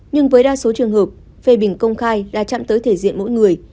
nhưng với đa số trường hợp phê bình công khai là chạm tới thể diện mỗi người